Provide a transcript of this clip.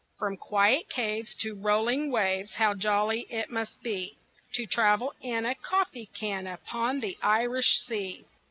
From quiet caves to rolling waves, How jolly it must be To travel in a coffee can Upon the Irish Sea!